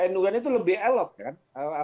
nu annya itu lebih elok kan